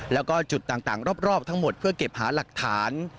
แล้วก็จุดต่างรอบทั้งหมดเพื่อเก็บหาหลักฐาน